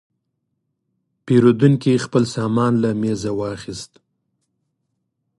پیرودونکی خپل سامان له میز نه واخیست.